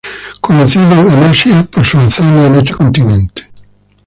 Conocido en Asia por sus hazañas en ese continente.